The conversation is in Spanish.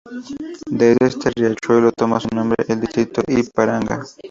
De este riachuelo toma su nombre el distrito Ipiranga.